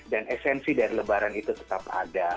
dan esensi dari lebaran itu tetap ada